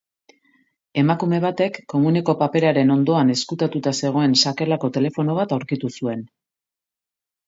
Emakume batek komuneko paperaren ondoan ezkutatuta zegoen sakelako telefono bat aurkitu zuen.